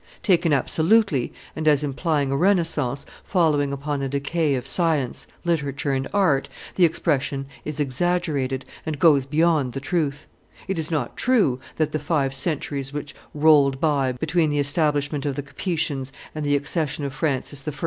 Taken absolutely, and as implying a renaissance, following upon a decay of science, literature, and art, the expression is exaggerated, and goes beyond the truth; it is not true that the five centuries which rolled by between the establishment of the Capetians and the accession of Francis I.